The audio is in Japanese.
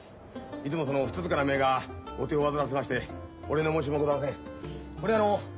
いつもそのふつつかな姪がお手を煩わせましてお礼の申しようもございません。